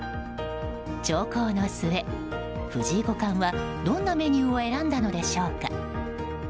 長考の末、藤井五冠はどんなメニューを選んだのでしょうか。